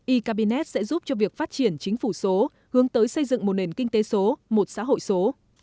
e cabinet sẽ giúp cho việc phát triển chính phủ số hướng tới xây dựng một nền kinh tế số một xã hội số